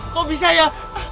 kok bisa ya